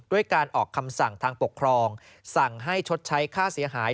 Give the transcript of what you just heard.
การออกคำสั่งทางปกครองสั่งให้ชดใช้ค่าเสียหาย